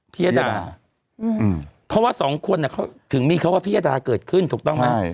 ยดาเพราะว่าสองคนเขาถึงมีคำว่าพิยดาเกิดขึ้นถูกต้องไหม